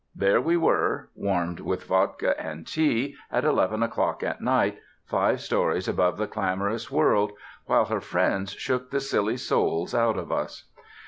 There we were, warmed with vodka and tea, at eleven o'clock at night, five stories above the clamorous world, while her friend shook the silly souls out of us.